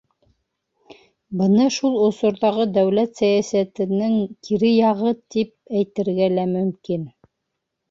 Быны шул осорҙағы дәүләт сәйәсәтенең кире яғы тип әйтергә лә мөмкин.